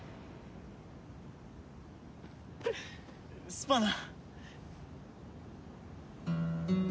スパナ。